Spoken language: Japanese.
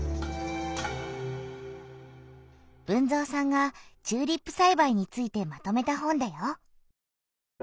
豊造さんがチューリップさいばいについてまとめた本だよ。